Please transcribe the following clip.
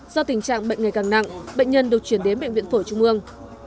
do tình trạng bệnh ngày càng nặng bệnh nhân được chuyển đến bệnh viện phổi trung ương